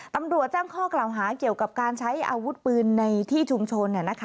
ตำรวจแจ้งข้อกล่าวหาเกี่ยวกับการใช้อาวุธปืนในที่ชุมชน